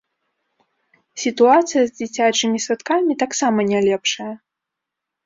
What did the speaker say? Сітуацыя з дзіцячымі садкамі таксама не лепшая.